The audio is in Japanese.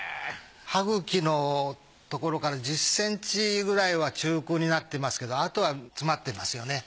歯茎のところから１０センチくらいは中空になってますけどあとは詰まってますよね。